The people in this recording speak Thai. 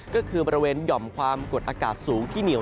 ก็คือบริเวณหย่อมความกดอากาศสูงที่เหนียว